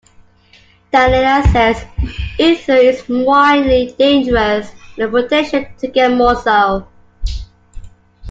Daniela says: Esther is mildly dangerous with the potential to get more so.